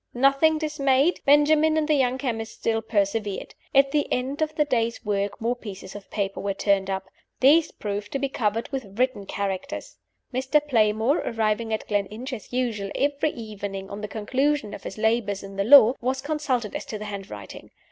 Nothing dismayed, Benjamin and the young chemist still persevered. At the end of the day's work more pieces of paper were turned up. These proved to be covered with written characters. Mr. Playmore (arriving at Gleninch, as usual, every evening on the conclusion of his labors in the law) was consulted as to the handwriting.